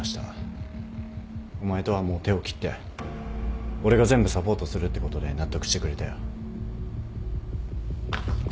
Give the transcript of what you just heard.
お前とはもう手を切って俺が全部サポートするってことで納得してくれたよ。